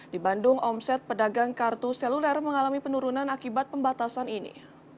di bandung omset pedagang kartu seluler mengalami penurunan akibat pembatasan ini